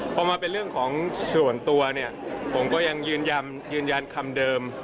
พอมาเป็นเรื่องของส่วนตัวเนี่ยผมก็ยังยืนยันยืนยันคำเดิม